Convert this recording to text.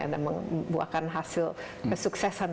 dan membuatkan hasil kesuksesan